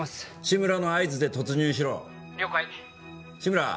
志村の合図で突入しろ了解志村